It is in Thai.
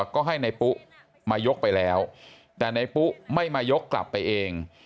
ก็ให้นายปุ๊มายกไปแล้วแต่นายปุ๊ไม่มายกกลับไปเอง